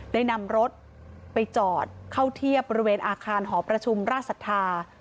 ได้นำรถไปจอดเข้าเทียบบริเวณอาคารหอประชุมราชศรัทธา